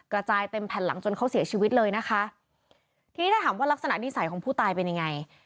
กระจายเต็มแผ่นหลังจนเขาเสียชีวิตเลยนะคะทีนี้ถ้าถามว่ารักษณิสัยของผู้ตายเป็นยังไง